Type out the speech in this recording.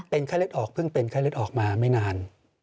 เป็นไข้เลือดออกเพิ่งเป็นไข้เลือดออกมาไม่นาน